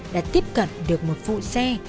đã tiếp cận được một phụ xe